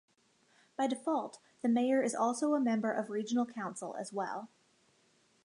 By default the mayor is also a member of Regional Council as well.